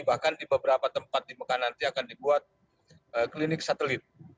bahkan di beberapa tempat di mekah nanti akan dibuat klinik satelit